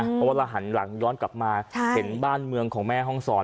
เพราะว่าเราหันหลังย้อนกลับมาเห็นบ้านเมืองของแม่ห้องศร